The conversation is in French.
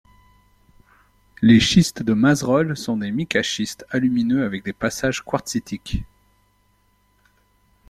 Les schistes de Mazerolles sont des micaschistes alumineux avec des passages quartzitiques.